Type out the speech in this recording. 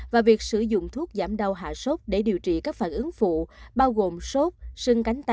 và việc sử dụng thuốc giảm đau hạ sốt để điều trị các phản ứng phụ